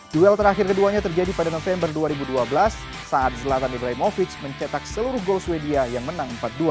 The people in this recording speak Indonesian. duel terakhir keduanya terjadi pada november dua ribu dua belas saat zlatan libraimovic mencetak seluruh gol sweden yang menang empat dua